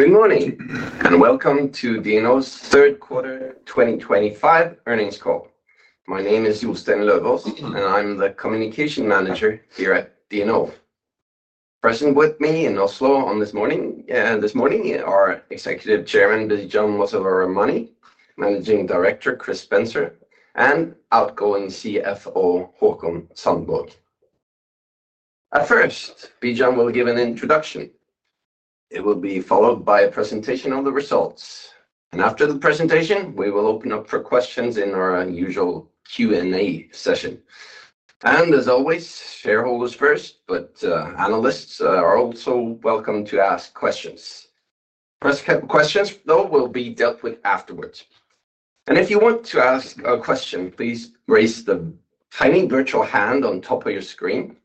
Good morning and welcome to DNO's third quarter 2025 earnings call. My name is Jostein Løvås, and I'm the Communication Manager here at DNO. Present with me in Oslo this morning are Executive Chairman Bijan Mossavar-Rahmani, Managing Director Chris Spencer, and outgoing CFO Haakon Sandborg. At first, Bijan will give an introduction. It will be followed by a presentation of the results. After the presentation, we will open up for questions in our usual Q&A session. As always, shareholders first, but analysts are also welcome to ask questions. Press questions, though, will be dealt with afterwards. If you want to ask a question, please raise the tiny virtual hand on top of your screen.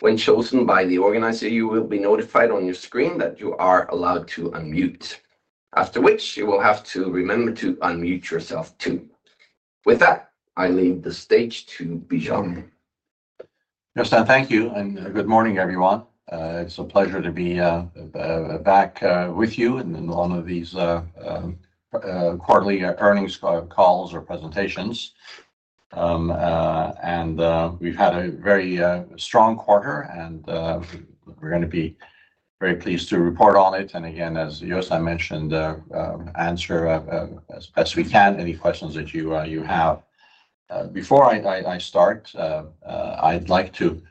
When chosen by the organizer, you will be notified on your screen that you are allowed to unmute, after which you will have to remember to unmute yourself too. With that, I leave the stage to Bijan. Jostein, thank you. Good morning, everyone. It's a pleasure to be back with you in one of these quarterly earnings calls or presentations. We've had a very strong quarter, and we're going to be very pleased to report on it. Again, as Jostein mentioned, answer as best we can any questions that you have. Before I start, I'd like to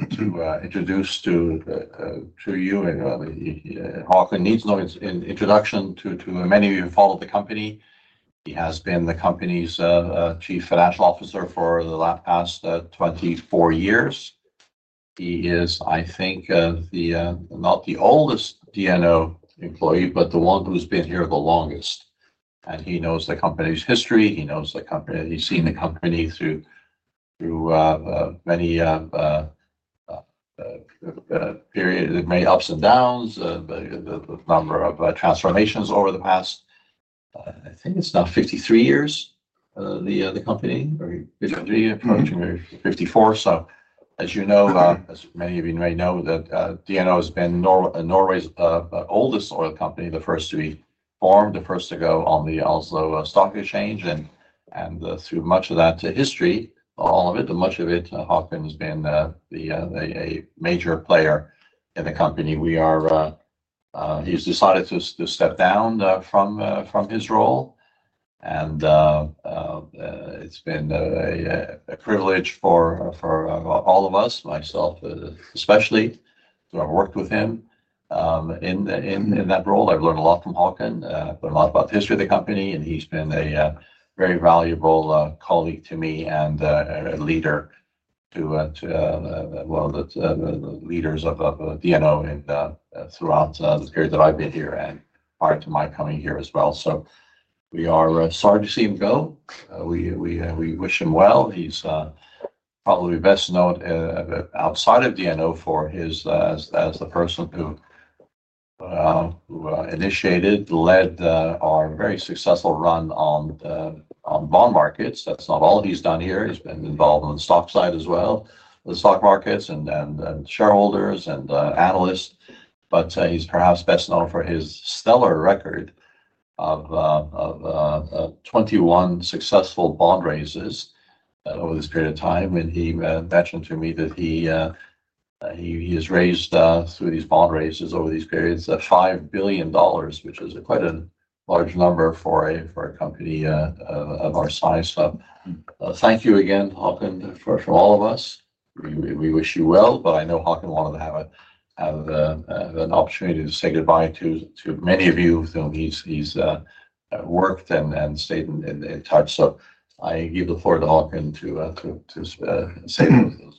introduce to you Haakon Sandborg. Introduction to many of you who follow the company. He has been the company's Chief Financial Officer for the past 24 years. He is, I think, not the oldest DNO employee, but the one who's been here the longest. He knows the company's history. He knows the company. He's seen the company through many periods, many ups and downs, the number of transformations over the past, I think it's now 53 years, the company, or 53, approaching 54. As you know, as many of you may know, DNO has been Norway's oldest oil company, the first to be formed, the first to go on the Oslo Stock Exchange. Through much of that history, all of it, much of it, Haakon has been a major player in the company. He's decided to step down from his role. It's been a privilege for all of us, myself especially, to have worked with him in that role. I've learned a lot from Haakon, learned a lot about the history of the company, and he's been a very valuable colleague to me and a leader to the leaders of DNO throughout the period that I've been here and prior to my coming here as well. We are sorry to see him go. We wish him well. He's probably best known outside of DNO for his. As the person who initiated, led our very successful run on bond markets. That's not all he's done here. He's been involved on the stock side as well, the stock markets and shareholders and analysts. He's perhaps best known for his stellar record of 21 successful bond raises over this period of time. He mentioned to me that he has raised through these bond raises over these periods $5 billion, which is quite a large number for a company of our size. Thank you again, Haakon, from all of us. We wish you well. I know Haakon wanted to have an opportunity to say goodbye to many of you with whom he's worked and stayed in touch. I give the floor to Haakon to say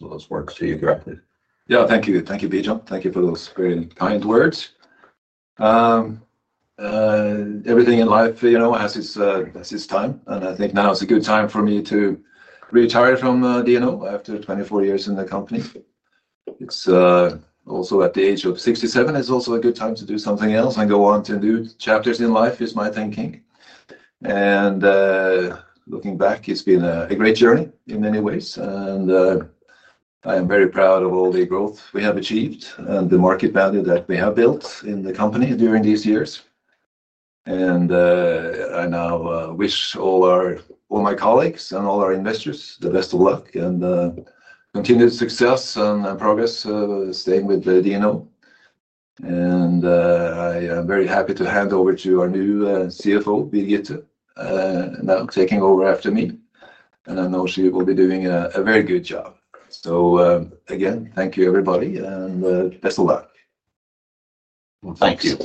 those words to you directly. Yeah, thank you. Thank you, Bijan. Thank you for those very kind words. Everything in life has its time. I think now is a good time for me to retire from DNO after 24 years in the company. Also at the age of 67, it's also a good time to do something else and go on to new chapters in life, is my thinking. Looking back, it's been a great journey in many ways. I am very proud of all the growth we have achieved and the market value that we have built in the company during these years. I now wish all my colleagues and all our investors the best of luck and continued success and progress staying with DNO. I am very happy to hand over to our new CFO, Birgitte, now taking over after me. I know she will be doing a very good job. Again, thank you, everybody, and best of luck. Thank you.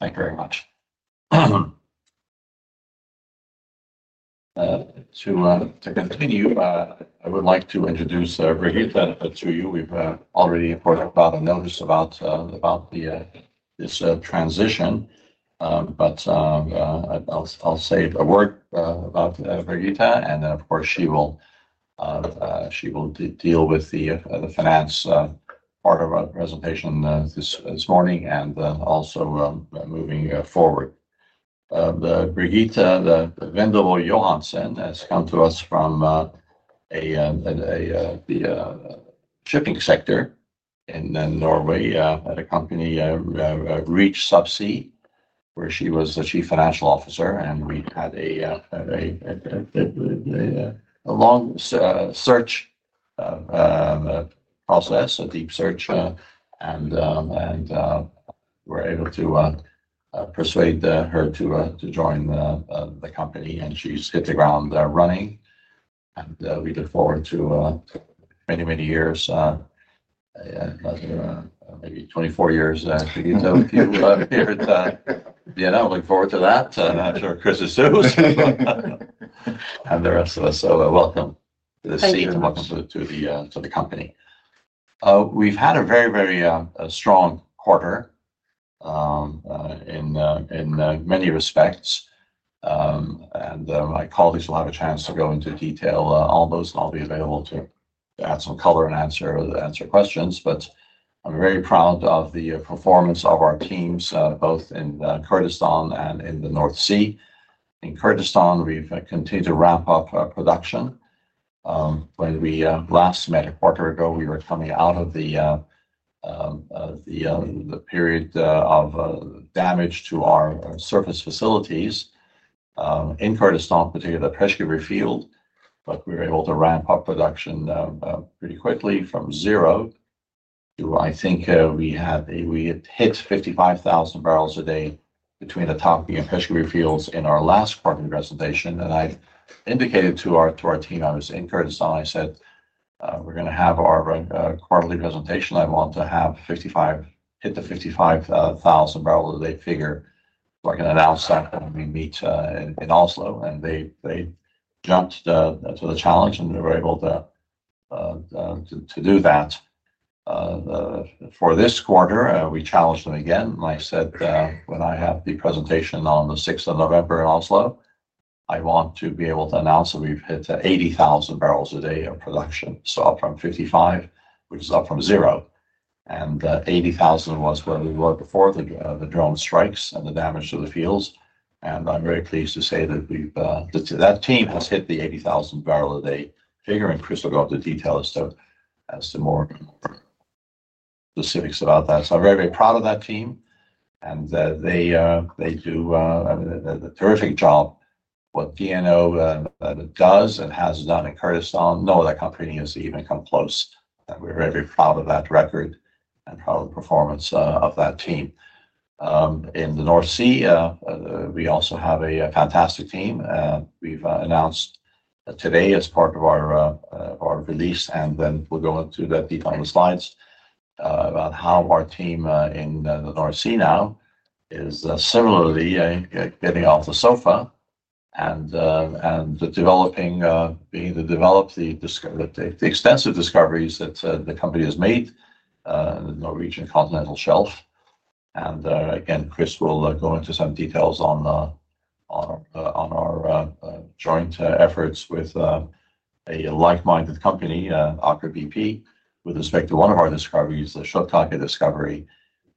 Thank you very much. To continue, I would like to introduce Birgitte to you. We've already put out a notice about this transition. I will say a word about Birgitte. Of course, she will deal with the finance part of our presentation this morning and also moving forward. Birgitte Wendelbo Johansen has come to us from the shipping sector in Norway at a company, Reach Subsea, where she was the Chief Financial Officer. We had a long search process, a deep search. We were able to persuade her to join the company, and she's hit the ground running. We look forward to many, many years, maybe 24 years to get to a few periods at DNO. I look forward to that. I'm not sure Chris is too, and the rest of us. Welcome to the seat and welcome to the company. We've had a very, very strong quarter in many respects. My colleagues will have a chance to go into detail on those. I'll be available to add some color and answer questions. I'm very proud of the performance of our teams, both in Kurdistan and in the North Sea. In Kurdistan, we've continued to ramp up production. When we last met a quarter ago, we were coming out of the period of damage to our surface facilities in Kurdistan, particularly the Peshkabir field. We were able to ramp up production pretty quickly from zero to, I think we hit 55,000 bbl per day between the Tawke and Peshkabir fields in our last quarterly presentation. I've indicated to our team, I was in Kurdistan, I said, "We're going to have our quarterly presentation. I want to hit the 55,000 bbl a day figure so I can announce that when we meet in Oslo." They jumped to the challenge. They were able to do that for this quarter. We challenged them again. I said, "When I have the presentation on the 6th of November in Oslo, I want to be able to announce that we've hit 80,000 bbl a day of production. Up from 55, which is up from zero." 80,000 bbl was where we were before the drone strikes and the damage to the fields. I'm very pleased to say that team has hit the 80,000 bbl a day figure. Chris will go up to detail as to more specifics about that. I'm very, very proud of that team. They do a terrific job. What DNO does and has done in Kurdistan, no other company needs to even come close. We're very, very proud of that record and proud of the performance of that team. In the North Sea, we also have a fantastic team. We've announced today as part of our release, and then we'll go into that detail on the slides, about how our team in the North Sea now is similarly getting off the sofa and developing the extensive discoveries that the company has made in the Norwegian Continental Shelf. Again, Chris will go into some details on our joint efforts with a like-minded company, Aker BP, with respect to one of our discoveries, the Kjøttkake discovery.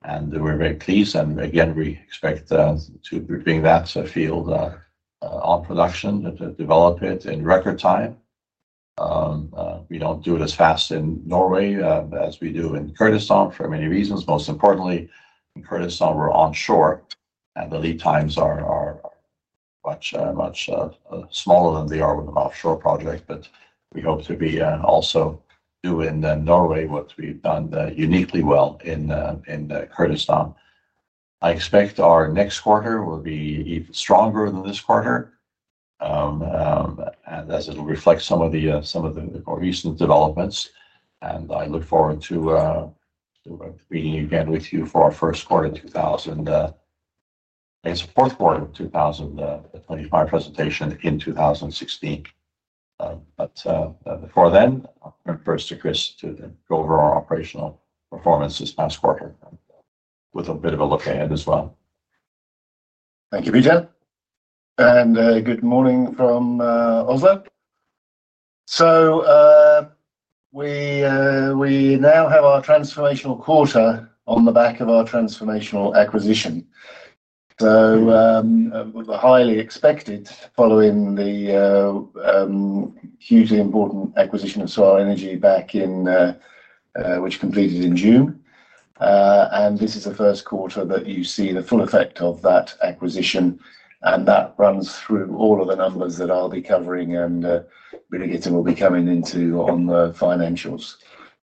We're very pleased, and again, we expect to bring that field on production, to develop it in record time. We don't do it as fast in Norway as we do in Kurdistan for many reasons. Most importantly, in Kurdistan, we're onshore. The lead times are much smaller than they are with an offshore project. We hope to also do in Norway what we've done uniquely well in Kurdistan. I expect our next quarter will be even stronger than this quarter, as it'll reflect some of the more recent developments. I look forward to meeting again with you for our first quarter 2000—I guess fourth quarter 2025 presentation in 2016. Before then, I'll refer to Chris to go over our operational performance this past quarter with a bit of a look ahead as well. Thank you, Bijan. Good morning from Oslo. We now have our transformational quarter on the back of our transformational acquisition. Highly expected following the hugely important acquisition of Sval Energi, which completed in June. This is the first quarter that you see the full effect of that acquisition, and that runs through all of the numbers that I'll be covering and Birgitte will be coming into on the financials.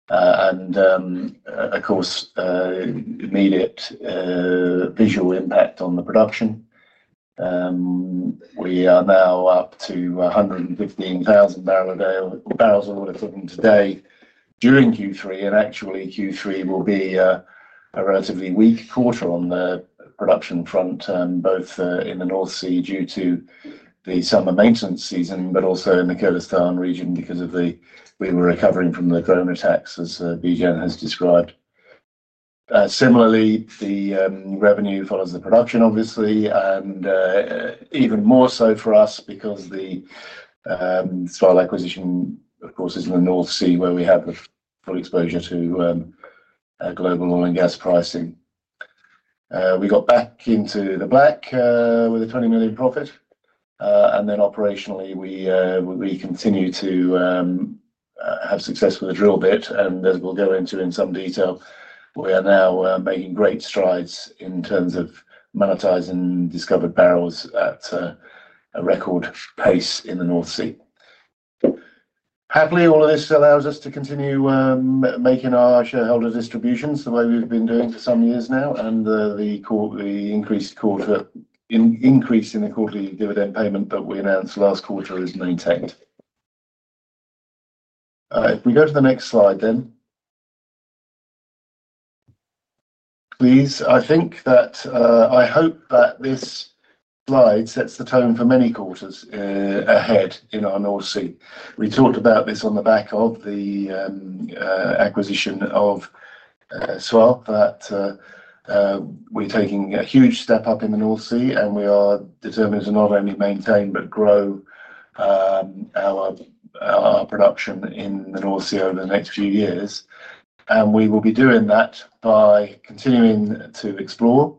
Of course, immediate visual impact on the production. We are now up to 115,000 bbl per day from today during Q3. Actually, Q3 will be a relatively weak quarter on the production front, both in the North Sea due to the summer maintenance season, but also in the Kurdistan region because we were recovering from the drone attacks, as Bijan has described. Similarly, the revenue follows the production, obviously. Even more so for us because the Sval acquisition, of course, is in the North Sea where we have the full exposure to global oil and gas pricing. We got back into the black with a $20 million profit. Operationally, we continue to have success with the drill bit. As we'll go into in some detail, we are now making great strides in terms of monetizing discovered barrels at a record pace in the North Sea. Happily, all of this allows us to continue making our shareholder distributions the way we've been doing for some years now. The increased increase in the quarterly dividend payment that we announced last quarter is maintained. If we go to the next slide, then please, I think that I hope that this slide sets the tone for many quarters ahead in our North Sea. We talked about this on the back of the acquisition of Sval, that we're taking a huge step up in the North Sea. We are determined to not only maintain but grow our production in the North Sea over the next few years. We will be doing that by continuing to explore,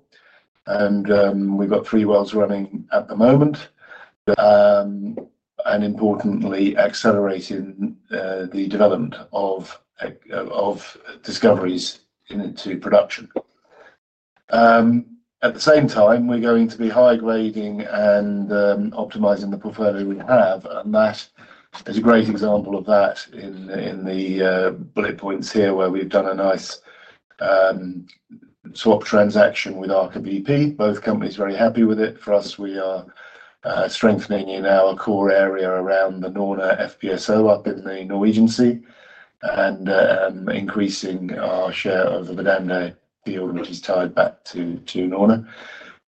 and we've got three wells running at the moment. Importantly, accelerating the development of discoveries into production. At the same time, we're going to be high-grading and optimizing the portfolio we have. That is a great example of that in the bullet points here, where we've done a nice swap transaction with Aker BP. Both companies are very happy with it. For us, we are strengthening in our core area around the Norne FPSO up in the Norwegian Sea and increasing our share of the Verdande field, which is tied back to Norne.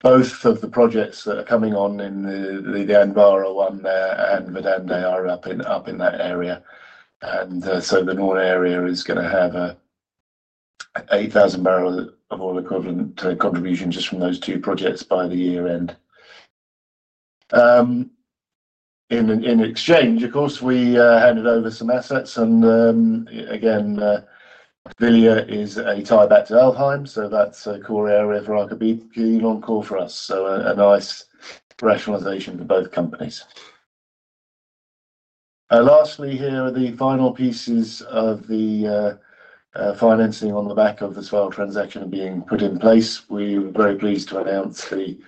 Both of the projects that are coming on in the Anbara one and Verdande are up in that area. The Norne area is going to have an 8,000 bbl of oil equivalent contribution just from those two projects by the year-end. In exchange, of course, we handed over some assets. Vilja is a tie back to Alvheim. That is a core area for Aker BP on call for us. A nice rationalization for both companies. Lastly, here are the final pieces of the financing on the back of the Sval transaction being put in place. We were very pleased to announce the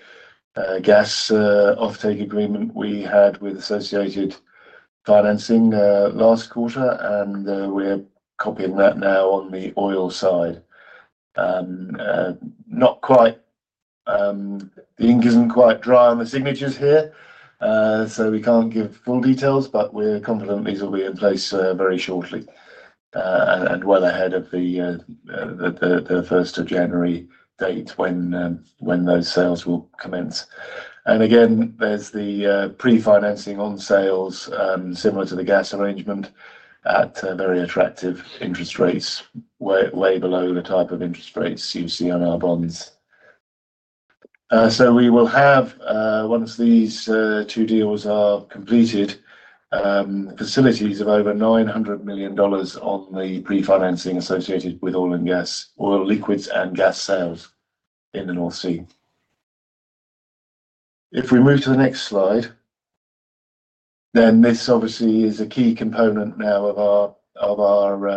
gas offtake agreement we had with Associated Financing last quarter. We are copying that now on the oil side. The ink is not quite dry on the signatures here, so we cannot give full details. We're confident these will be in place very shortly, and well ahead of the January 1 date when those sales will commence. Again, there's the pre-financing on sales similar to the gas arrangement at very attractive interest rates, way below the type of interest rates you see on our bonds. We will have, once these two deals are completed, facilities of over $900 million on the pre-financing associated with oil and gas, oil liquids and gas sales in the North Sea. If we move to the next slide, this obviously is a key component now of our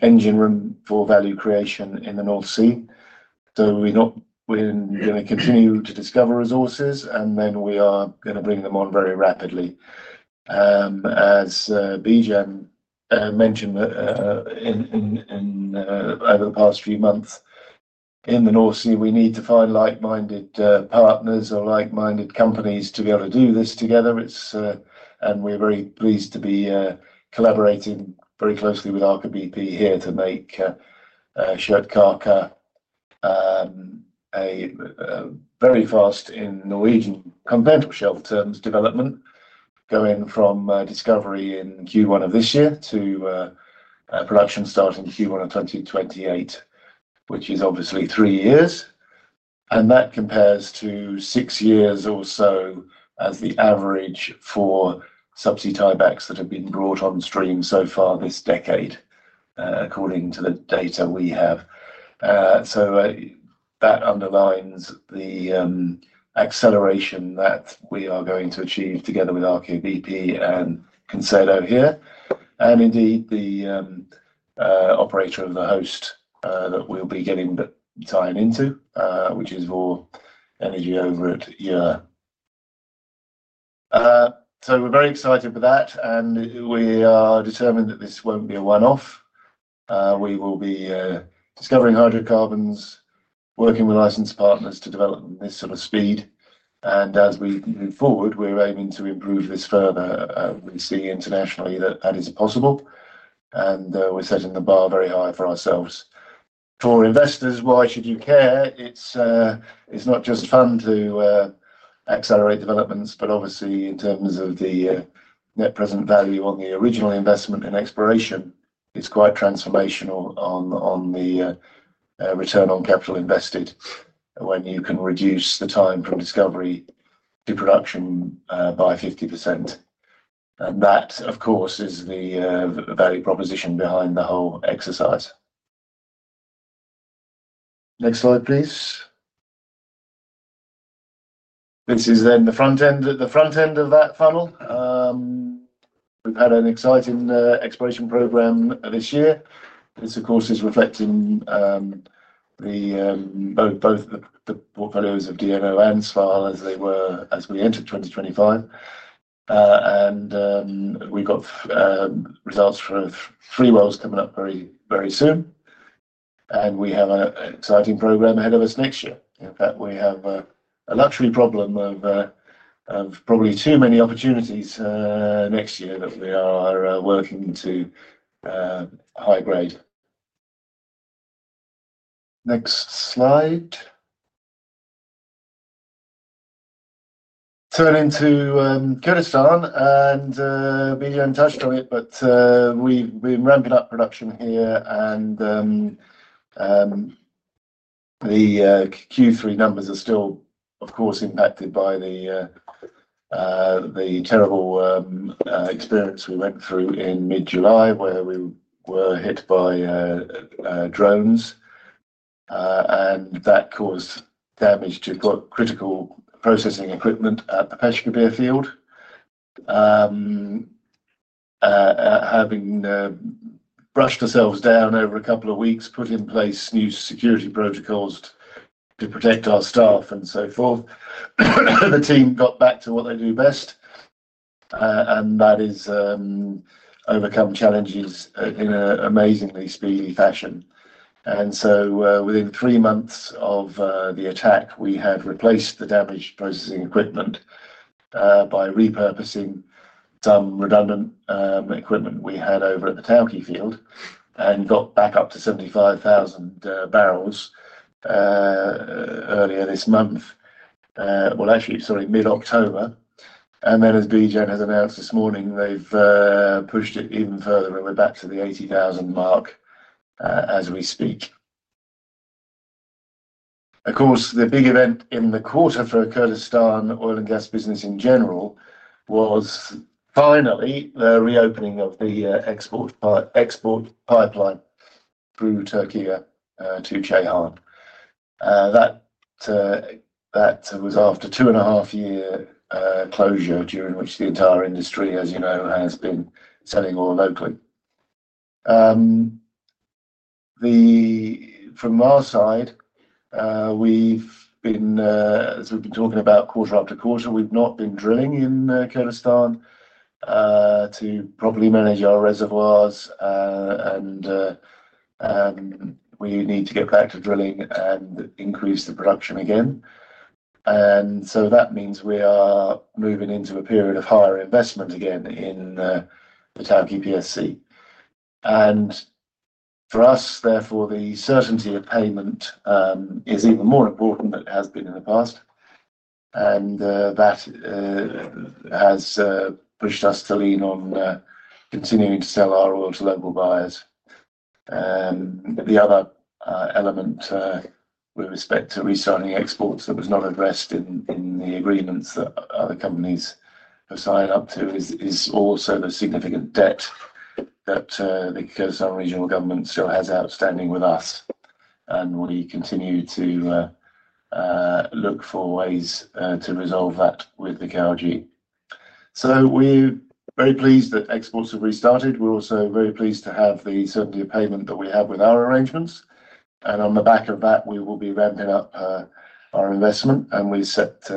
engine room for value creation in the North Sea. We're going to continue to discover resources, and then we are going to bring them on very rapidly, as Bijan mentioned over the past few months. In the North Sea, we need to find like-minded partners or like-minded companies to be able to do this together. We are very pleased to be collaborating very closely with Aker BP here to make Kjøttkake a very fast, in Norwegian Continental Shelf terms, development. Going from discovery in Q1 of this year to production starting Q1 of 2028, which is obviously three years. That compares to six years or so as the average for subsea tiebacks that have been brought on stream so far this decade, according to the data we have. That underlines the acceleration that we are going to achieve together with Aker BP and Concerto here. Indeed, the operator of the host that we will be getting the tie-in into, which is Vår Energi over at year. We are very excited for that. We are determined that this won't be a one-off. We will be discovering hydrocarbons, working with licensed partners to develop this sort of speed. As we move forward, we're aiming to improve this further. We see internationally that that is possible. We're setting the bar very high for ourselves. For investors, why should you care? It's not just fun to accelerate developments, but obviously, in terms of the net present value on the original investment and exploration, it's quite transformational on the return on capital invested when you can reduce the time from discovery to production by 50%. That, of course, is the value proposition behind the whole exercise. Next slide, please. This is then the front end of that funnel. We've had an exciting exploration program this year. This, of course, is reflecting both the portfolios of DNO and Sval as we entered 2025. We've got results for three wells coming up very soon. We have an exciting program ahead of us next year. In fact, we have a luxury problem of probably too many opportunities next year that we are working to high-grade. Next slide. Turning to Kurdistan, Bijan touched on it, but we've been ramping up production here. The Q3 numbers are still, of course, impacted by the terrible experience we went through in mid-July where we were hit by drones, and that caused damage to critical processing equipment at the Peshkabir field. Having brushed ourselves down over a couple of weeks, put in place new security protocols to protect our staff, and so forth, the team got back to what they do best. That is, overcome challenges in an amazingly speedy fashion. Within three months of the attack, we had replaced the damaged processing equipment. By repurposing some redundant equipment we had over at the Tawke field and got back up to 75,000 bbl. Earlier this month. Actually, sorry, mid-October. As Bijan has announced this morning, they've pushed it even further, and we're back to the 80,000 bbl mark as we speak. Of course, the big event in the quarter for Kurdistan oil and gas business in general was finally the reopening of the export pipeline through Türkiye to Ceyhan. That was after two and a half year closure, during which the entire industry, as you know, has been selling oil locally. From our side, as we've been talking about quarter after quarter, we've not been drilling in Kurdistan to properly manage our reservoirs. We need to get back to drilling and increase the production again. That means we are moving into a period of higher investment again in the Tawke PSC. For us, therefore, the certainty of payment is even more important than it has been in the past. That has pushed us to lean on continuing to sell our oil to local buyers. The other element with respect to restarting exports that was not addressed in the agreements that other companies have signed up to is also the significant debt that the Kurdistan Regional Government still has outstanding with us. We continue to look for ways to resolve that with the KRG. We are very pleased that exports have restarted. We are also very pleased to have the certainty of payment that we have with our arrangements. On the back of that, we will be ramping up our investment. We have set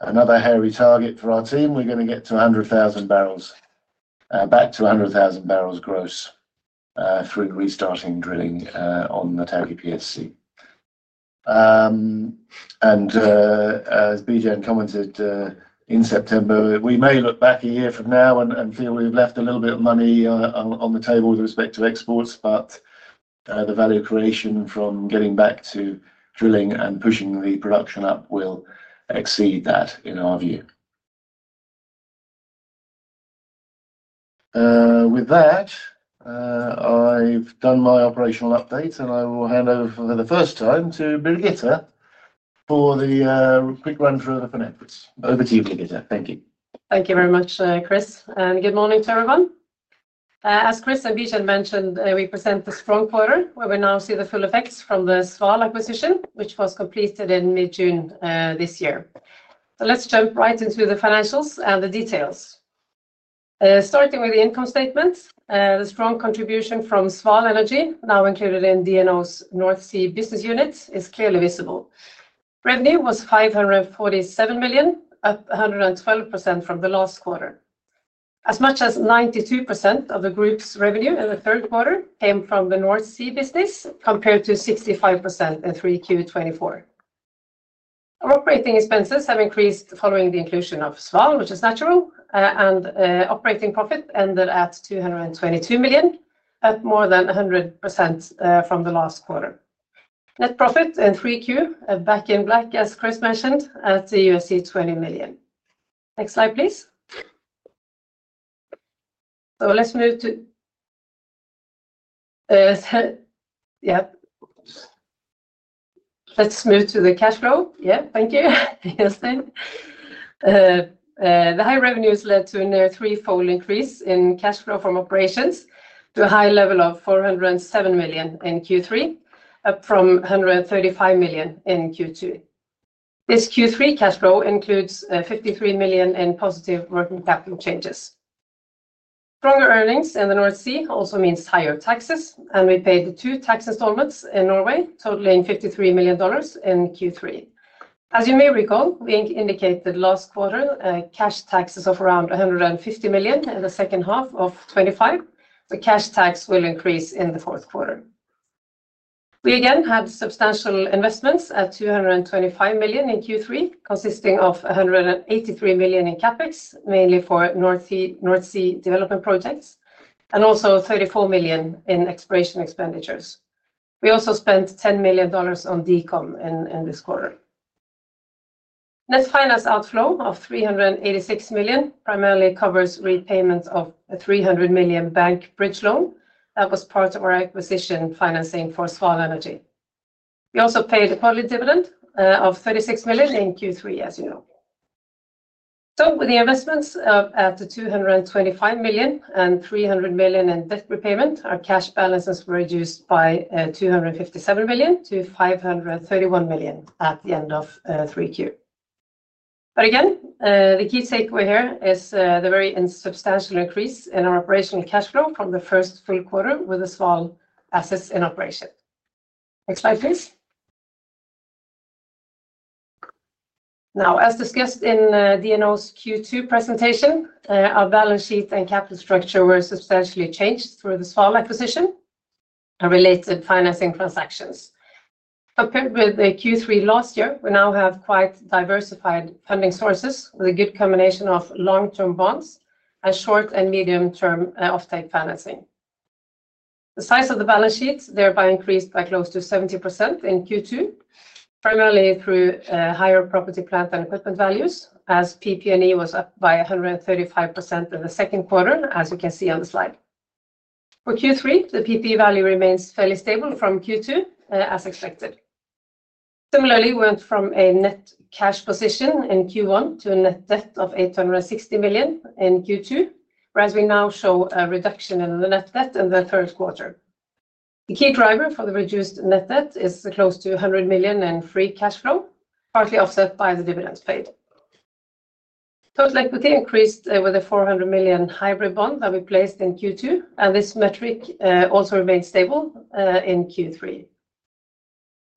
another hairy target for our team. We're going to get to 100,000 bbl. Back to 100,000 bbl gross. Through restarting drilling on the Tawke PSC. As Bijan commented in September, we may look back a year from now and feel we've left a little bit of money on the table with respect to exports. The value creation from getting back to drilling and pushing the production up will exceed that, in our view. With that, I've done my operational updates, and I will hand over for the first time to Birgitte for the quick run through of the finances. Over to you, Birgitte. Thank you. Thank you very much, Chris. Good morning to everyone. As Chris and Bijan mentioned, we present the strong quarter where we now see the full effects from the Sval acquisition, which was completed in mid-June this year. Let's jump right into the financials and the details. Starting with the income statement, the strong contribution from Sval Energi, now included in DNO's North Sea business unit, is clearly visible. Revenue was $547 million, up 112% from the last quarter. As much as 92% of the group's revenue in the third quarter came from the North Sea business, compared to 65% in 3Q 2024. Operating expenses have increased following the inclusion of Sval, which is natural. Operating profit ended at $222 million, up more than 100% from the last quarter. Net profit in 3Q, back in black, as Chris mentioned, at $20 million. Next slide, please. Let's move to. Yeah. Let's move to the cash flow. Yeah, thank you. The high revenues led to a near threefold increase in cash flow from operations to a high level of $407 million in Q3, up from $135 million in Q2. This Q3 cash flow includes $53 million in positive working capital changes. Stronger earnings in the North Sea also means higher taxes. We paid two tax installments in Norway, totaling $53 million in Q3. As you may recall, we indicated last quarter cash taxes of around $150 million in the second half of 2025. The cash tax will increase in the fourth quarter. We again had substantial investments at $225 million in Q3, consisting of $183 million in CapEx, mainly for North Sea development projects, and also $34 million in exploration expenditures. We also spent $10 million on DCOM in this quarter. Net finance outflow of $386 million primarily covers repayment of a $300 million bank bridge loan that was part of our acquisition financing for Sval Energi. We also paid a quality dividend of $36 million in Q3, as you know. With the investments at the $225 million and $300 million in debt repayment, our cash balances were reduced by $257 million to $531 million at the end of 3Q. Again, the key takeaway here is the very substantial increase in our operational cash flow from the first full quarter with the Sval assets in operation. Next slide, please. As discussed in DNO's Q2 presentation, our balance sheet and capital structure were substantially changed through the Sval acquisition and related financing transactions. Compared with Q3 last year, we now have quite diversified funding sources with a good combination of long-term bonds and short and medium-term offtake financing. The size of the balance sheet thereby increased by close to 70% in Q2, primarily through higher property, plant, and equipment values, as PP&E was up by 135% in the second quarter, as you can see on the slide. For Q3, the PP value remains fairly stable from Q2, as expected. Similarly, we went from a net cash position in Q1 to a net debt of $860 million in Q2, whereas we now show a reduction in the net debt in the third quarter. The key driver for the reduced net debt is close to $100 million in free cash flow, partly offset by the dividends paid. Total equity increased with a $400 million hybrid bond that we placed in Q2, and this metric also remained stable in Q3.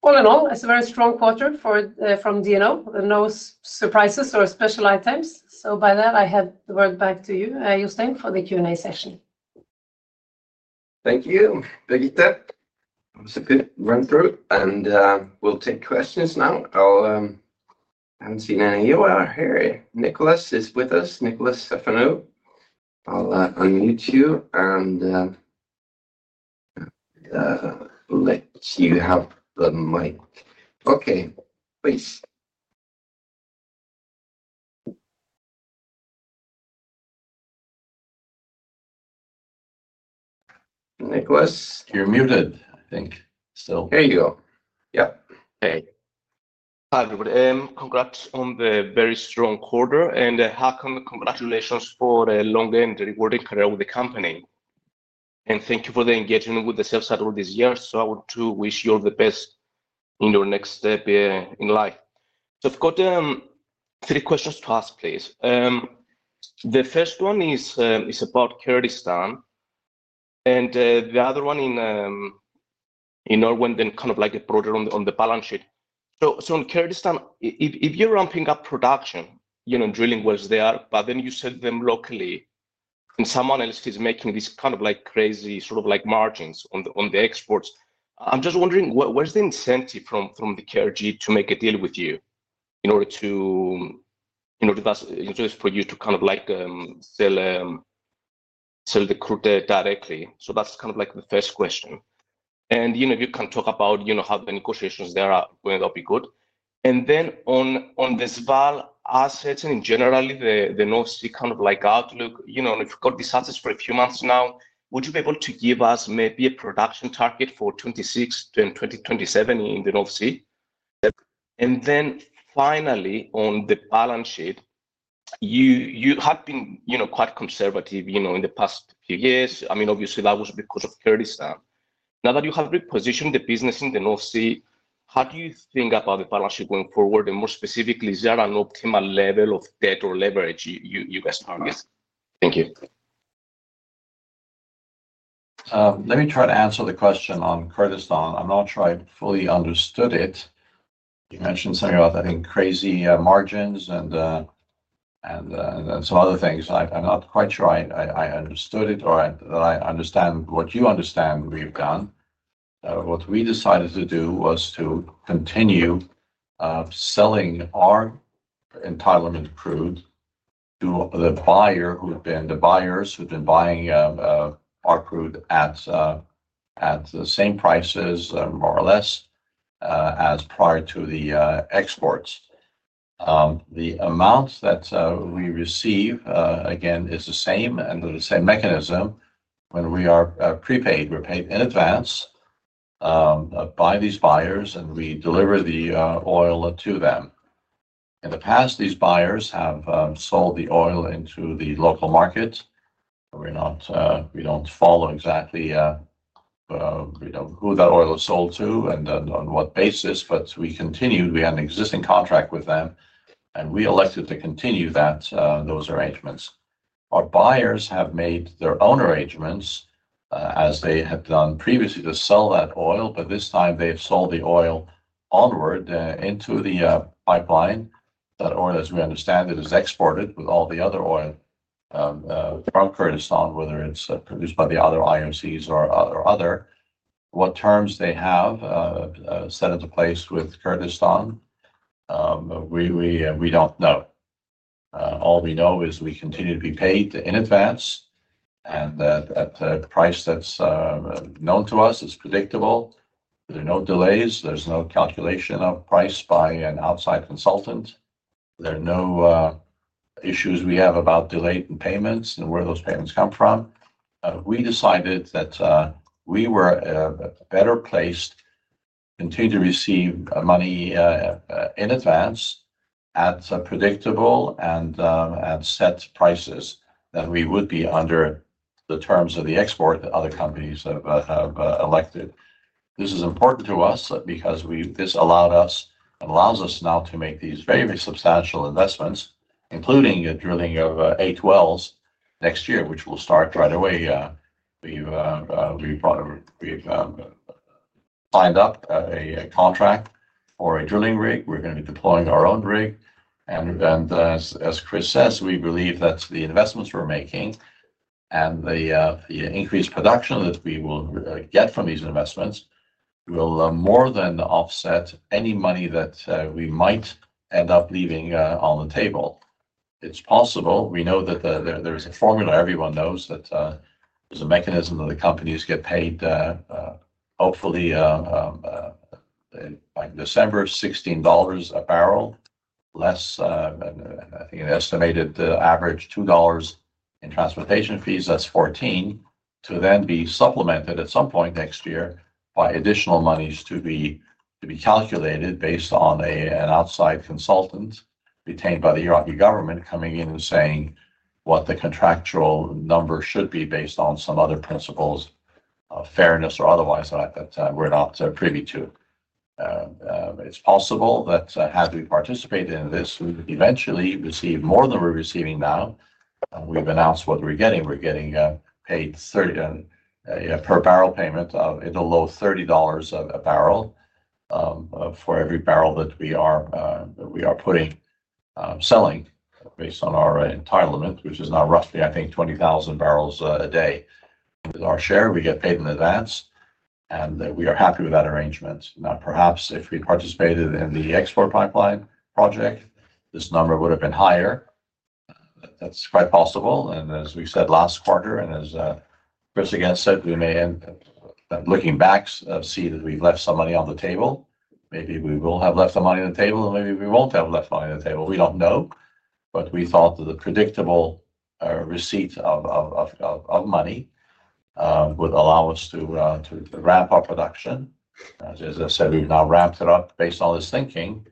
All in all, it's a very strong quarter from DNO, with no surprises or special items. By that, I hand the word back to you, Jostein, for the Q&A session. Thank you, Birgitte. That was a good run-through. We'll take questions now. I haven't seen any here. We are here. Nicholas is with us. Nicholas Stefanou.I'll unmute you and let you have the mic. Okay, please. Nicholas, you're muted, I think, still. There you go. Yep. Hey. Hi, everybody. Congrats on the very strong quarter. And Haakon, congratulations for a long and rewarding career with the company. And thank you for the engagement with the sales side all these years. I want to wish you all the best in your next step in life. I've got three questions to ask, please. The first one is about Kurdistan. The other one in Norway, then kind of like a broader on the balance sheet. In Kurdistan, if you're ramping up production, drilling wells there, but then you sell them locally, and someone else is making these kind of crazy sort of margins on the exports, I'm just wondering, where's the incentive from the KRG to make a deal with you in order to. For you to kind of sell the crude directly? That is kind of the first question. If you can talk about how the negotiations there are going, that would be good. On the Sval assets and generally the North Sea outlook, if you have had these assets for a few months now, would you be able to give us maybe a production target for 2026 to 2027 in the North Sea? Finally, on the balance sheet, you have been quite conservative in the past few years. I mean, obviously, that was because of Kurdistan. Now that you have repositioned the business in the North Sea, how do you think about the balance sheet going forward? More specifically, is there an optimal level of debt or leverage you guys target? Thank you. Let me try to answer the question on Kurdistan. I'm not sure I fully understood it. You mentioned something about, I think, crazy margins and some other things. I'm not quite sure I understood it or that I understand what you understand we've done. What we decided to do was to continue selling our entitlement crude to the buyers who'd been buying our crude at the same prices, more or less, as prior to the exports. The amounts that we receive, again, is the same and the same mechanism when we are prepaid. We're paid in advance by these buyers, and we deliver the oil to them. In the past, these buyers have sold the oil into the local market. We don't follow exactly who that oil is sold to and on what basis, but we continued. We had an existing contract with them, and we elected to continue those arrangements. Our buyers have made their own arrangements, as they had done previously, to sell that oil, but this time, they've sold the oil onward into the pipeline. That oil, as we understand it, is exported with all the other oil from Kurdistan, whether it's produced by the other IOCs or other. What terms they have set into place with Kurdistan, we don't know. All we know is we continue to be paid in advance and at a price that's known to us, it's predictable. There are no delays. There's no calculation of price by an outside consultant. There are no issues we have about delayed payments and where those payments come from. We decided that we were better placed to continue to receive money in advance at predictable and at set prices that we would be under the terms of the export that other companies have elected. This is important to us because this allows us now to make these very, very substantial investments, including drilling of A12s next year, which will start right away. We've signed up a contract for a drilling rig. We're going to be deploying our own rig. As Chris says, we believe that the investments we're making and the increased production that we will get from these investments will more than offset any money that we might end up leaving on the table. It's possible. We know that there is a formula. Everyone knows that there's a mechanism that the companies get paid. Hopefully by December, $16 a barrel, less. I think an estimated average $2 in transportation fees, that's $14, to then be supplemented at some point next year by additional monies to be calculated based on an outside consultant retained by the Iraqi government coming in and saying what the contractual number should be based on some other principles of fairness or otherwise that we're not privy to. It's possible that had we participated in this, we would eventually receive more than we're receiving now. We've announced what we're getting. We're getting paid. Per barrel payment of in the low $30 a barrel. For every barrel that we are putting, selling based on our entitlement, which is now roughly, I think, 20,000 bbl a day. With our share, we get paid in advance, and we are happy with that arrangement. Now, perhaps if we participated in the export pipeline project, this number would have been higher. That's quite possible. As we said last quarter, and as Chris again said, we may, looking back, see that we've left some money on the table. Maybe we will have left some money on the table, and maybe we won't have left money on the table. We don't know. We thought that the predictable receipt of money would allow us to ramp our production. As I said, we've now ramped it up based on this thinking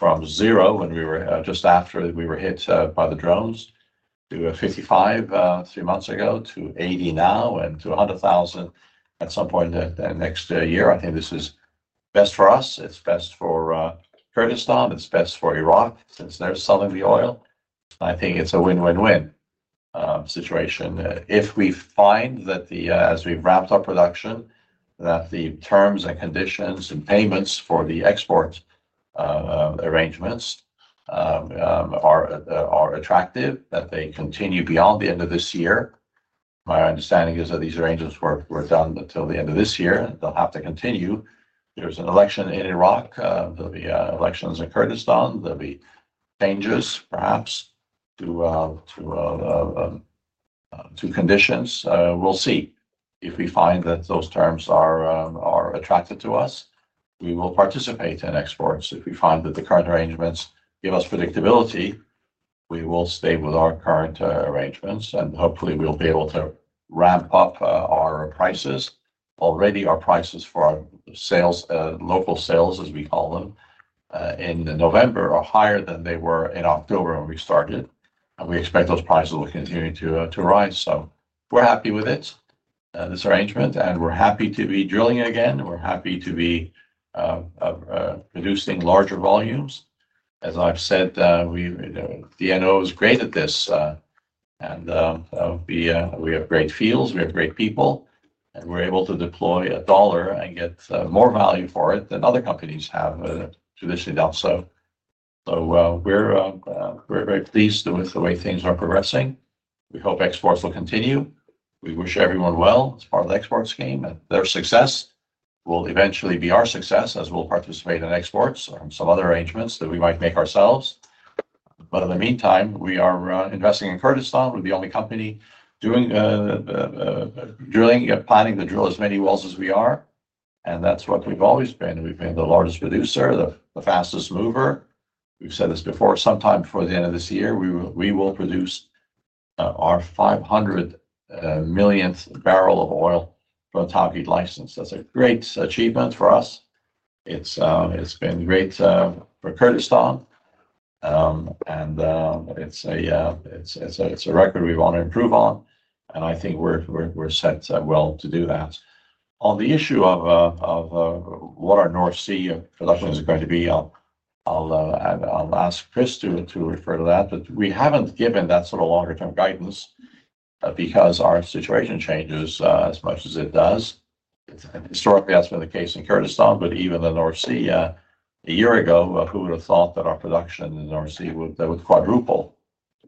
from zero when we were just after we were hit by the drones to 55 three months ago to 80 now and to 100,000 at some point next year. I think this is best for us. It's best for Kurdistan. It's best for Iraq since they're selling the oil. I think it's a win-win-win situation. If we find that as we've ramped up production, that the terms and conditions and payments for the export arrangements are attractive, that they continue beyond the end of this year. My understanding is that these arrangements were done until the end of this year. They'll have to continue. There's an election in Iraq. There'll be elections in Kurdistan. There'll be changes, perhaps, to conditions. We'll see. If we find that those terms are attractive to us, we will participate in exports. If we find that the current arrangements give us predictability, we will stay with our current arrangements. Hopefully, we'll be able to ramp up our prices. Already, our prices for local sales, as we call them, in November are higher than they were in October when we started. We expect those prices will continue to rise. We're happy with this arrangement, and we're happy to be drilling again. We're happy to be producing larger volumes. As I've said, DNO is great at this. We have great fields. We have great people. We're able to deploy a dollar and get more value for it than other companies have traditionally done. We're very pleased with the way things are progressing. We hope exports will continue. We wish everyone well as part of the export scheme. Their success will eventually be our success as we'll participate in exports and some other arrangements that we might make ourselves. In the meantime, we are investing in Kurdistan. We're the only company planning to drill as many wells as we are. That's what we've always been. We've been the largest producer, the fastest mover. We've said this before. Sometime before the end of this year, we will produce our 500 millionth barrel of oil from the Tawke license. That's a great achievement for us. It's been great for Kurdistan. It's a record we want to improve on. I think we're set well to do that. On the issue of what our North Sea production is going to be, I'll ask Chris to refer to that. We haven't given that sort of longer-term guidance because our situation changes as much as it does. Historically, that's been the case in Kurdistan, but even the North Sea, a year ago, who would have thought that our production in the North Sea would quadruple,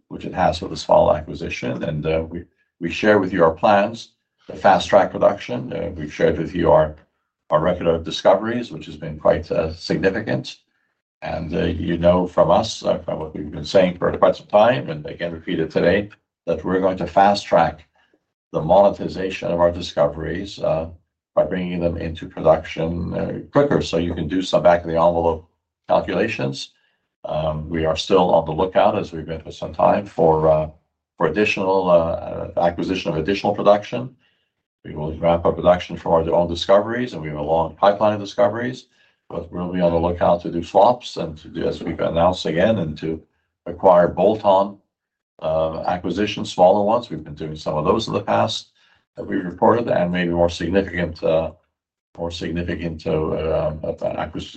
which it has with the Sval acquisition? We share with you our plans, the fast-track production. We've shared with you our record of discoveries, which has been quite significant. You know from us, from what we've been saying for quite some time, and again, repeat it today, that we're going to fast-track the monetization of our discoveries by bringing them into production quicker so you can do some back-of-the-envelope calculations. We are still on the lookout, as we've been for some time, for additional acquisition of additional production. We will ramp up production for our own discoveries, and we have a long pipeline of discoveries. We'll be on the lookout to do swaps and to, as we've announced again, acquire bolt-on acquisitions, smaller ones. We've been doing some of those in the past that we reported and maybe more significant acquisitions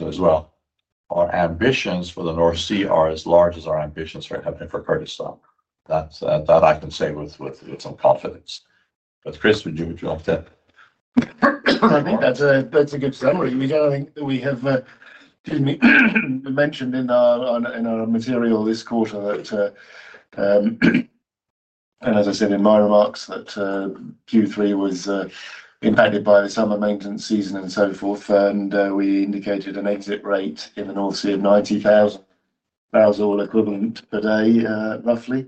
as well. Our ambitions for the North Sea are as large as our ambitions for Kurdistan. That I can say with some confidence. Chris, would you like to? I think that's a good summary. We have mentioned in our material this quarter that, and as I said in my remarks, that Q3 was impacted by the summer maintenance season and so forth. We indicated an exit rate in the North Sea of 90,000 bbl or equivalent per day, roughly.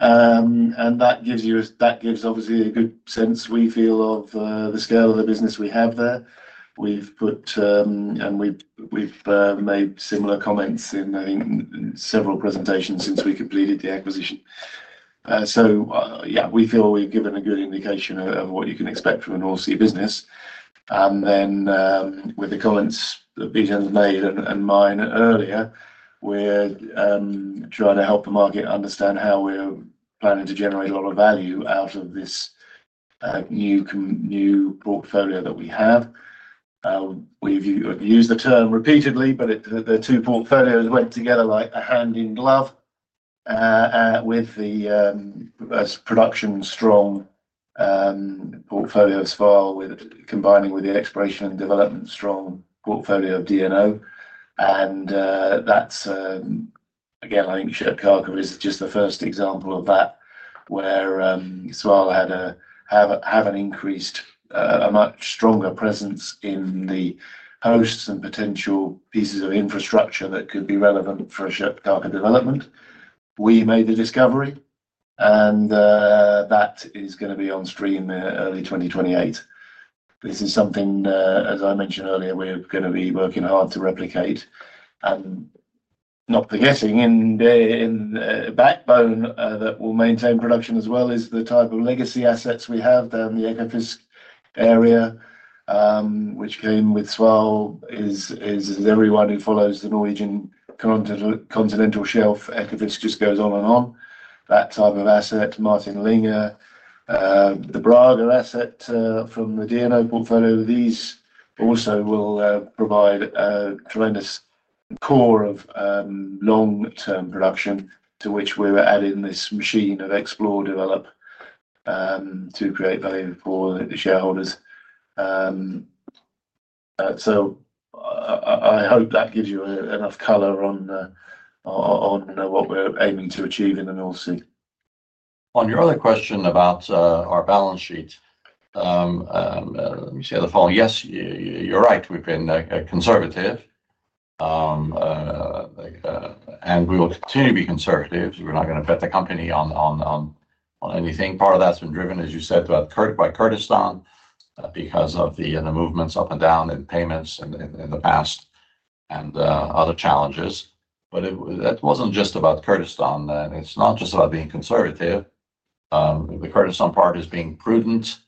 That gives you, obviously, a good sense, we feel, of the scale of the business we have there. We've made similar comments in, I think, several presentations since we completed the acquisition. Yeah, we feel we've given a good indication of what you can expect from the North Sea business. With the comments that Bijan made and mine earlier, we're trying to help the market understand how we're planning to generate a lot of value out of this new portfolio that we have. We've used the term repeatedly, but the two portfolios went together like a hand in glove. With the production-strong portfolio of Sval combining with the exploration and development-strong portfolio of DNO. Again, I think Kjøttkake is just the first example of that. Where Sval had an increased, a much stronger presence in the posts and potential pieces of infrastructure that could be relevant for Kjøttkake development. We made the discovery, and that is going to be on stream early 2028. This is something, as I mentioned earlier, we're going to be working hard to replicate. Not forgetting, the backbone that will maintain production as well is the type of legacy assets we have down the Ekofisk area, which came with Sval. As everyone who follows the Norwegian Continental Shelf, Ekofisk just goes on and on. That type of asset, Martin Linge. The Brage asset from the DNO portfolio, these also will provide a tremendous core of. Long-term production to which we were adding this machine of explore, develop. To create value for the shareholders. I hope that gives you enough color on what we're aiming to achieve in the North Sea. On your other question about our balance sheet, let me say the following. Yes, you're right. We've been conservative, and we will continue to be conservative. We're not going to bet the company on anything. Part of that's been driven, as you said, by Kurdistan because of the movements up and down in payments in the past and other challenges. It wasn't just about Kurdistan. It's not just about being conservative. The Kurdistan part is being prudent.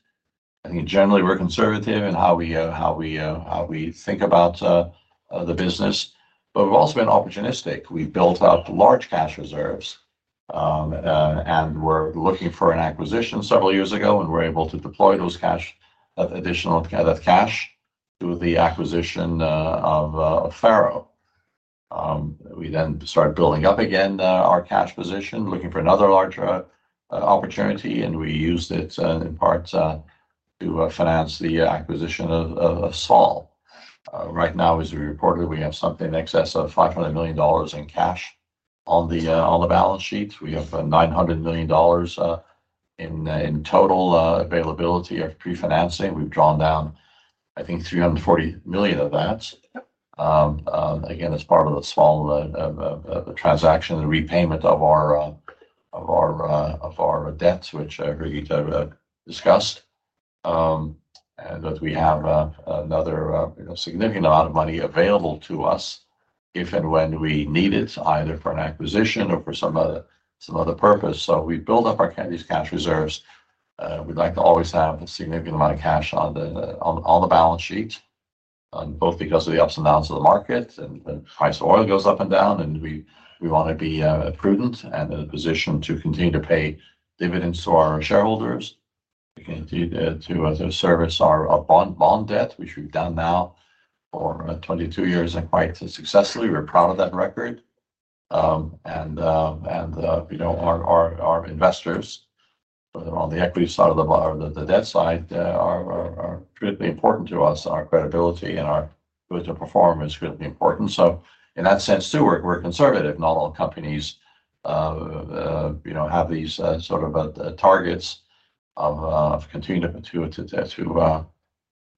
I think generally we're conservative in how we think about the business. We've also been opportunistic. We've built out large cash reserves. We were looking for an acquisition several years ago, and we were able to deploy that additional cash to the acquisition of FARO. We then started building up again our cash position, looking for another larger opportunity, and we used it in part to finance the acquisition of Sval. Right now, as we reported, we have something in excess of $500 million in cash on the balance sheet. We have $900 million in total availability of pre-financing. We've drawn down, I think, $340 million of that, again, as part of the Sval transaction, the repayment of our debts, which Birgitte discussed. We have another significant amount of money available to us if and when we need it, either for an acquisition or for some other purpose. We have built up these cash reserves. We like to always have a significant amount of cash on the balance sheet. Both because of the ups and downs of the market and the price of oil goes up and down. We want to be prudent and in a position to continue to pay dividends to our shareholders. To service our bond debt, which we've done now for 22 years and quite successfully. We're proud of that record. Our investors on the equity side or the debt side are critically important to us. Our credibility and our good performance is critically important. In that sense, too, we're conservative. Not all companies have these sort of targets of continuing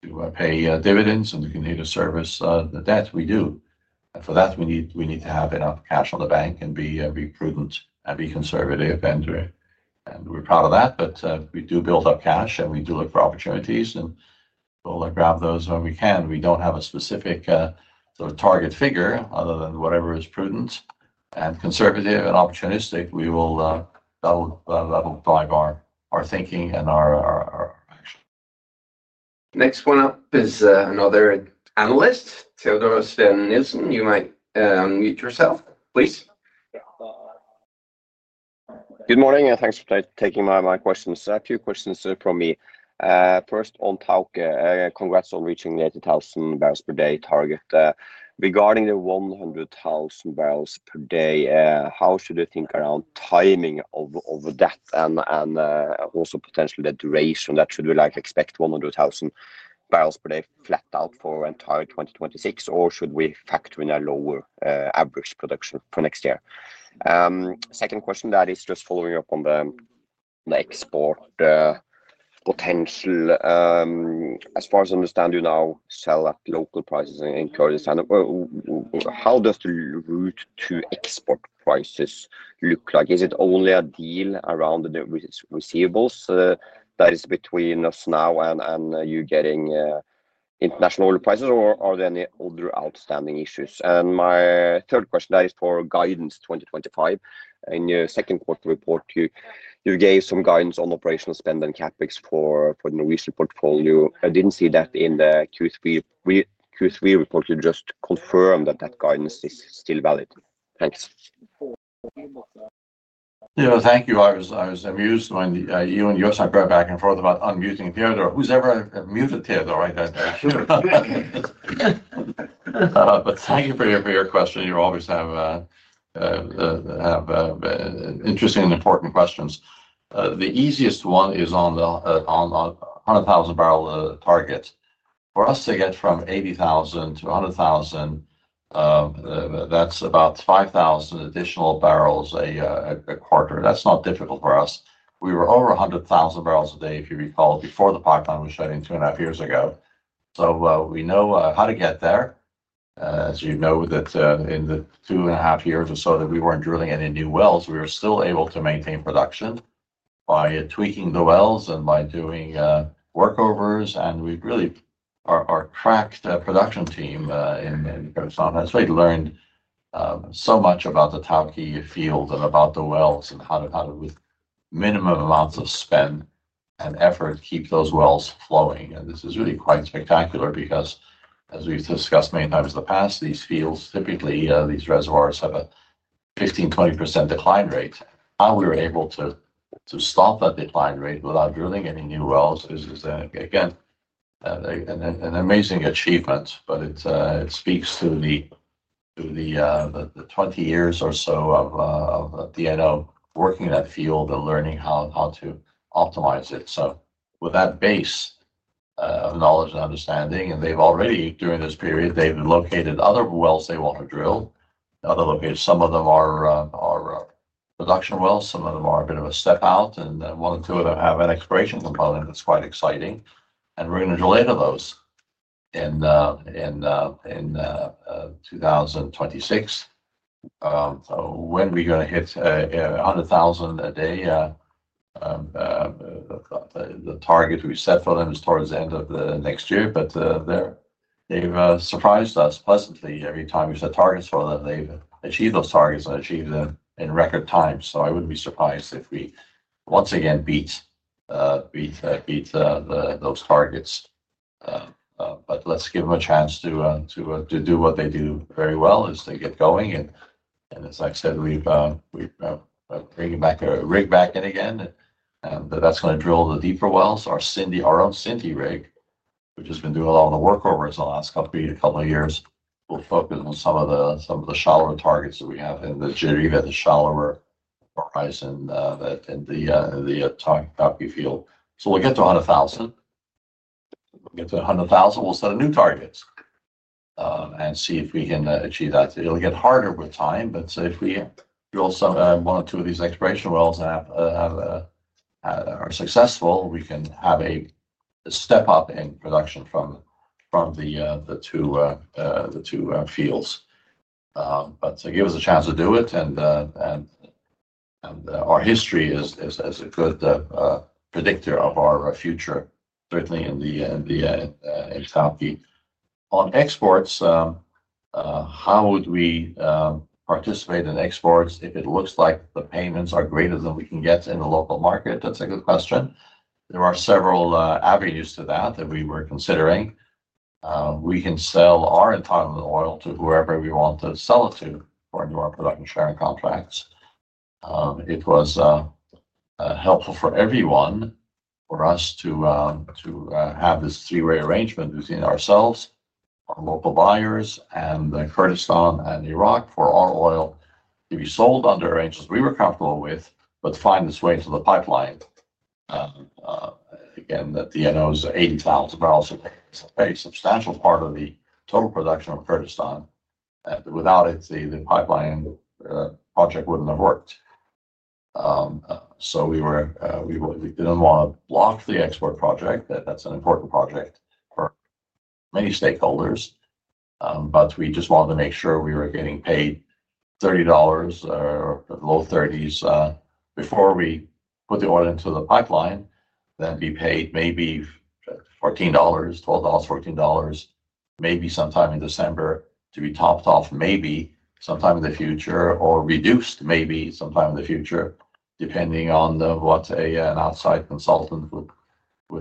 to pay dividends and to continue to service the debt. We do. For that, we need to have enough cash on the bank and be prudent and be conservative. We're proud of that. We do build up cash, and we do look for opportunities and. Grab those when we can. We do not have a specific target figure other than whatever is prudent and conservative and opportunistic. That will drive our thinking and our action. Next one up is another analyst, Teodoro Stan Nielsen. You might mute yourself, please. Good morning, and thanks for taking my questions. A few questions from me. First, on Tawke, congrats on reaching 80,000 bbl per day target. Regarding the 100,000 bbl per day, how should we think around timing of that and also potentially the duration? Should we expect 100,000 bbl per day flat out for the entire 2026, or should we factor in a lower average production for next year? Second question, that is just following up on the export potential. As far as I understand, you now sell at local prices in Kurdistan. How does the route to export prices look like? Is it only a deal around the receivables that is between us now and you getting international prices, or are there any other outstanding issues? My third question, that is for guidance 2025. In your second quarter report, you gave some guidance on operational spend and CapEx for the Norwegian portfolio. I did not see that in the Q3 report. You just confirmed that that guidance is still valid. Thanks. Yeah, thank you. I was amused when you and Jostein were going back and forth about unmuting Theodore. Who has ever muted Theodore? Thank you for your question. You always have interesting and important questions. The easiest one is on the 100,000-barrel target. For us to get from 80,000 to 100,000, that is about 5,000 additional barrels a quarter. That is not difficult for us. We were over 100,000 bbl per day, if you recall, before the pipeline was shut in two and a half years ago. We know how to get there. As you know, in the two and a half years or so that we were not drilling any new wells, we were still able to maintain production by tweaking the wells and by doing workovers. Our cracked production team in Kurdistan has really learned so much about the Tawke field and about the wells and how to, with minimum amounts of spend and effort, keep those wells flowing. This is really quite spectacular because, as we have discussed many times in the past, these fields, typically, these reservoirs have a 15%-20% decline rate. How we were able to stop that decline rate without drilling any new wells is, again, an amazing achievement, but it speaks to the. Twenty years or so of DNO working in that field and learning how to optimize it. With that base of knowledge and understanding, and they've already, during this period, located other wells they want to drill. Some of them are production wells. Some of them are a bit of a step out. One or two of them have an exploration component that's quite exciting. We're going to drill into those in 2026. When are we going to hit 100,000 a day? The target we set for them is towards the end of next year. They've surprised us pleasantly. Every time we set targets for them, they've achieved those targets and achieved them in record time. I would not be surprised if we, once again, beat those targets. Let's give them a chance to do what they do very well as they get going. As I said, we're bringing the rig back in again. That's going to drill the deeper wells. Our own Sindy rig, which has been doing a lot of the workovers in the last couple of years, will focus on some of the shallower targets that we have in the shallower horizon in the Tawke field. We'll get to 100,000. We'll get to 100,000. We'll set a new target and see if we can achieve that. It'll get harder with time. If we drill one or two of these exploration wells and are successful, we can have a step up in production from the two fields. Give us a chance to do it. Our history is a good predictor of our future, certainly in Tawke. On exports, how would we. Participate in exports if it looks like the payments are greater than we can get in the local market? That's a good question. There are several avenues to that that we were considering. We can sell our entire oil to whoever we want to sell it to for our production sharing contracts. It was helpful for everyone for us to have this three-way arrangement between ourselves, our local buyers, and Kurdistan and Iraq for our oil to be sold under arrangements we were comfortable with, but find this way to the pipeline. Again, DNO's 80,000 bbl is a substantial part of the total production of Kurdistan. Without it, the pipeline project wouldn't have worked. We didn't want to block the export project. That's an important project for many stakeholders. We just wanted to make sure we were getting paid $30. Low 30s before we put the oil into the pipeline, then be paid maybe $14, $12, $14. Maybe sometime in December to be topped off, maybe sometime in the future, or reduced maybe sometime in the future, depending on what an outside consultant would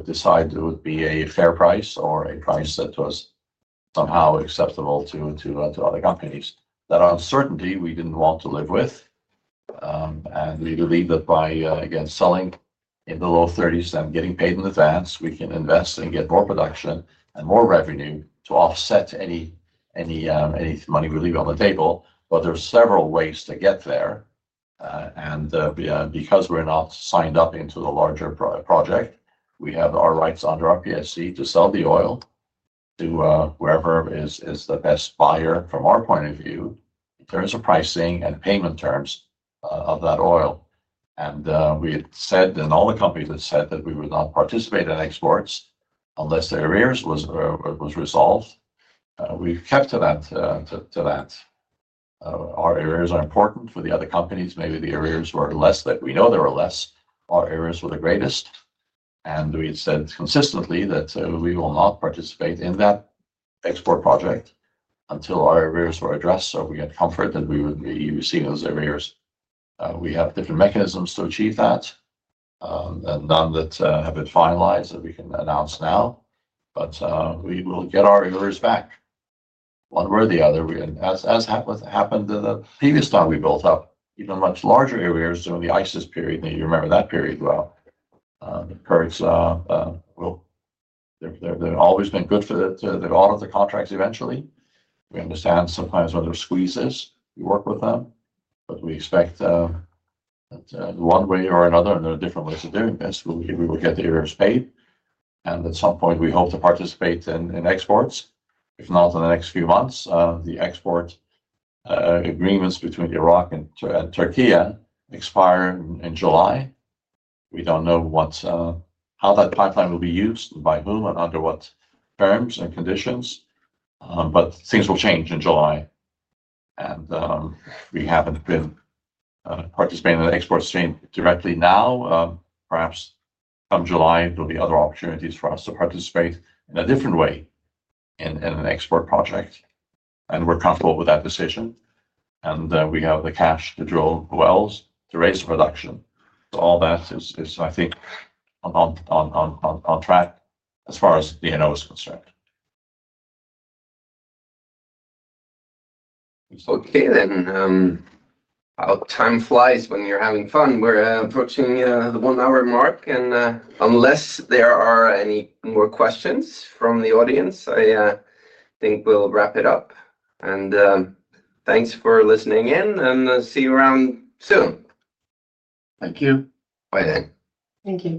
decide would be a fair price or a price that was somehow acceptable to other companies. That uncertainty, we did not want to live with. We believe that by, again, selling in the low 30s and getting paid in advance, we can invest and get more production and more revenue to offset any money we leave on the table. There are several ways to get there. Because we're not signed up into the larger project, we have our rights under our PSC to sell the oil to wherever is the best buyer from our point of view in terms of pricing and payment terms of that oil. We had said, and all the companies had said, that we would not participate in exports unless the arrears was resolved. We kept to that. Our arrears are important for the other companies. Maybe the arrears were less. We know there were less. Our arrears were the greatest. We had said consistently that we will not participate in that export project until our arrears were addressed so we had comfort that we would be receiving those arrears. We have different mechanisms to achieve that. None that have been finalized that we can announce now. We will get our arrears back, one way or the other. As happened the previous time we built up, even much larger arrears during the ISIS period. You remember that period well. Kurds. They've always been good for all of the contracts eventually. We understand sometimes when there are squeezes, we work with them. We expect that one way or another, and there are different ways of doing this, we will get the arrears paid. At some point, we hope to participate in exports. If not in the next few months, the export agreements between Iraq and Türkiye expire in July. We don't know how that pipeline will be used and by whom and under what terms and conditions. Things will change in July. We haven't been participating in the export stream directly now. Perhaps come July, there'll be other opportunities for us to participate in a different way, in an export project. We're comfortable with that decision. We have the cash to drill wells to raise production. All that is, I think, on track as far as DNO is concerned. How time flies when you're having fun. We're approaching the one-hour mark. Unless there are any more questions from the audience, I think we'll wrap it up. Thanks for listening in, and see you around soon. Thank you. Bye then. Thank you.